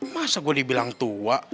masa gue dibilang tua